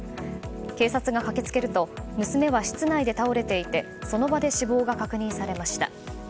警察が駆けつけると娘は室内で倒れていてその場で死亡が確認されました。